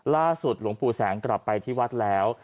หลวงปู่แสงกลับไปที่วัดแล้ว